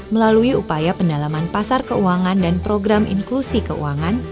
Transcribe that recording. melalui upaya pendalaman pasar keuangan dan program inklusi keuangan